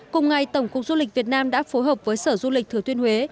cùng ngày tổng cục du lịch việt nam đã phối hợp với sở du lịch thừa thuyên huế